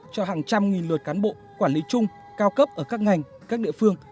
cho hàng trăm nghìn lượt cán bộ quản lý chung cao cấp ở các ngành các địa phương